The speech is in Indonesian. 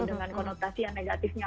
dengan konotasi yang negatifnya